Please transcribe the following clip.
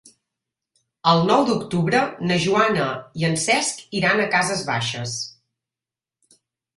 El nou d'octubre na Joana i en Cesc iran a Cases Baixes.